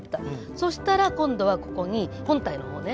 そしたら今度はここに本体の方ね。